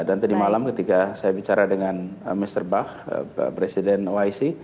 dan tadi malam ketika saya bicara dengan mr bach presiden oic